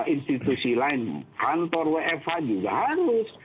institusi lain kantor wfh juga harus